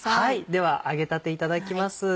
では揚げたていただきます。